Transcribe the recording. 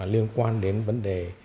liên quan đến vấn đề